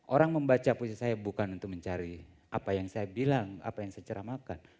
orang membaca puisi saya bukan untuk mencari apa yang saya bilang apa yang saya ceramakan